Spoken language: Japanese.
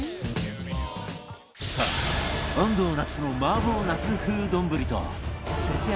さあ安藤なつの麻婆ナス風丼と節約